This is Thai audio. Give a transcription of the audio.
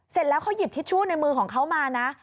เสร็จแล้วเขาหยิบทิชชู่ในมือของเขามานะ